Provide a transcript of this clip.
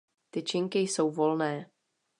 Tyčinky jsou volné.